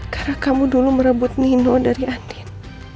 karena kamu dulu merebut nino dari andin